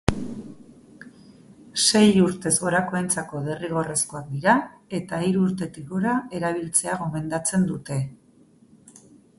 Sei urtez gorakoentzako derrigorrezkoak dira, eta hiru urtetik gora erabiltzea gomendatzen dute.